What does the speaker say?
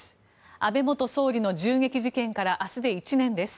安倍元総理の銃撃事件から明日で１年です。